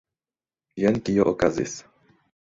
Jen kio okazis.